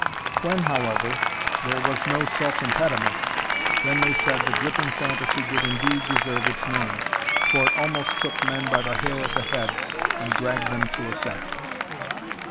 When, however, there was no such impediment, then they said the gripping phantasy did indeed deserve its name, for it almost took men by the hair of the head and dragged them to assent.